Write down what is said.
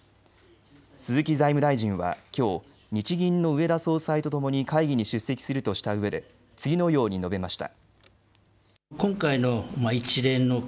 鈴木財務大臣はきょう日銀の植田総裁とともに会議に出席するとしたうえで次のように述べました。